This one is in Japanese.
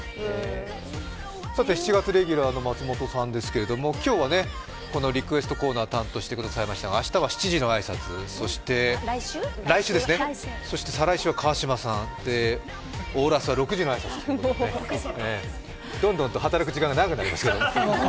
７月レギュラーの松本さんですけれども今日はこのリクエストコーナーを担当してくださいましたが来週は７時の挨拶、再来週は川島さんと掛け合いオーラスは６時の挨拶と。どんどんと働く時間が長くなりますけど。